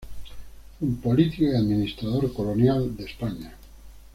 Fue un político y administrador colonial de España.